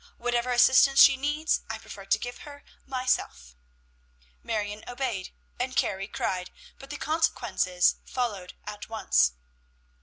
Whatever assistance she needs, I prefer to give her myself." Marion obeyed, and Carrie cried, but the consequences followed at once.